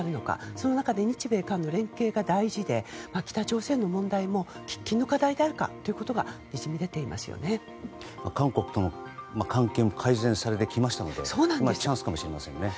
その中で、日米韓の連携が大事で北朝鮮の問題も喫緊の課題であることが韓国との関係も改善されてきましたのでチャンスかもしれませんね。